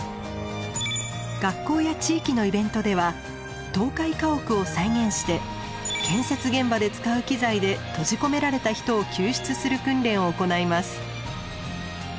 学校や地域のイベントでは倒壊家屋を再現して建設現場で使う機材で閉じ込められた人を救出する訓練を行います。